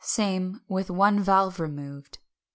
Same, with one valve removed.